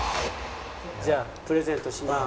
「じゃあプレゼントします」。